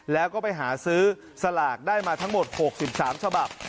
แล้วก็ไปหาซื้อสลากได้มาทั้งหมด๖๓ฉบับ